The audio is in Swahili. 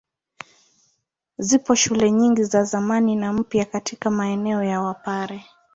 Zipo shule nyingi za zamani na mpya katika maeneo ya Wapare.